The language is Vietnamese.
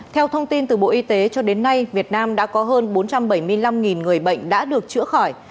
theo thông tin từ bộ y tế cho đến nay việt nam đã có hơn bốn trăm bảy mươi năm người bệnh đã được chữa khỏi